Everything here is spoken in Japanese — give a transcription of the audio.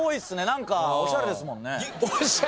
何かおしゃれですもんね。